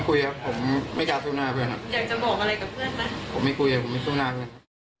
ผมไม่คุยครับผมไม่เจ้าหน้าเพื่อน